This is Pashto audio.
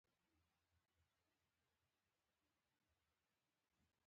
تواب مخ تک ژېړ و.